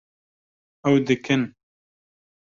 Ew dikin